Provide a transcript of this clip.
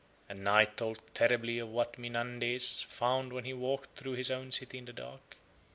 And Night told terribly of what Mynandes found when he walked through his own city in the dark.